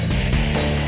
kan sudah juga